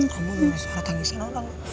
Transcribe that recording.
kamu denger suara tangisan orang